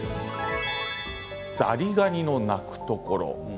「ザリガニの鳴くところ」。